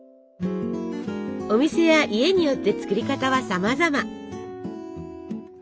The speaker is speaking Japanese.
お店や家によって作り方はさまざま。